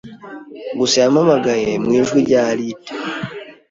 gusa yampamagaye mu ijwi rya Alide